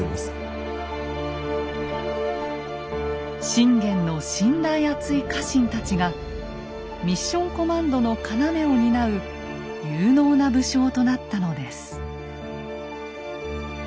信玄の信頼厚い家臣たちがミッション・コマンドの要を担う有能な武将となったのです。